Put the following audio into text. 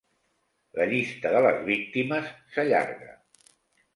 La llista de les víctimes s'allarga.